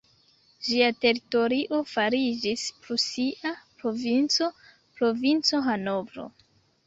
Ĝia teritorio fariĝis prusia provinco, "provinco Hanovro".